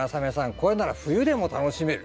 これなら冬でも楽しめる。